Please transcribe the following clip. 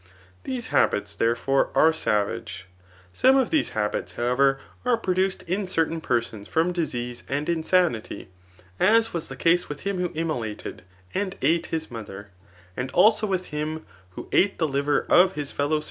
j These habits, there fore, are savage. Some of these habits, however, are produced in certain persons from disease anci insanity, as was the case with him who immolated and eat his mo« ther,' and also with him who eat the liver of his fellow^ ^int(0 AfiPASiufi.